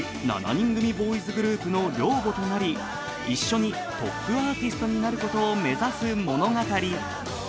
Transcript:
７人組ボーイズグループの寮母となり一緒にトップアーティストになることを目指す物語。